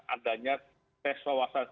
adanya tes sawasan